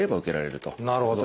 なるほど。